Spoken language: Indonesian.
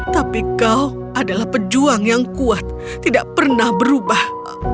tapi kau adalah pejuang yang kuat tidak pernah berubah